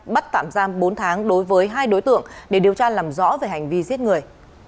bắt tạm giam bốn tháng đối với hai đối tượng để điều tra làm rõ về hành vi giết người